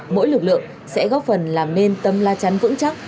mỗi lực lượng sẽ góp phần làm nên tấm la chắn vững chắc